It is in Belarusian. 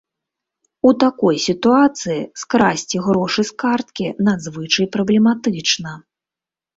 У такой сітуацыі скрасці грошы з карткі надзвычай праблематычна.